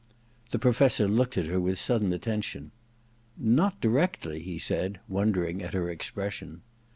' The Professor looked at her with sudden attention. *Not directly,' he said, wondering at her expression.